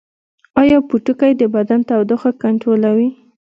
ایا پوټکی د بدن تودوخه کنټرولوي؟